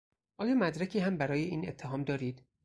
آیا مدرکی هم برای این اتهام دارید؟